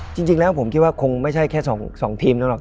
จริงแล้วผมคิดว่าคงไม่ใช่แค่๒ทีมแล้วหรอก